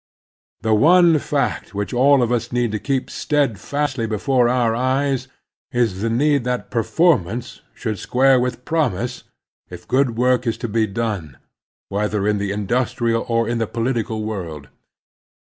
The one fact which all of us need to keep stead fastly before our eyes is the need that performance should square with promise if good work is to be done, whether in the industrial or in the political world.